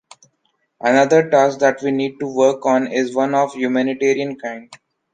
Another task that we need to work on is one of humanitarian kind.